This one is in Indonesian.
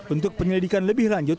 untuk penyelidikan lebih lanjut